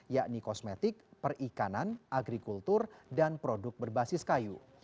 yakni kosmetik perikanan agrikultur dan produk berbasis kayu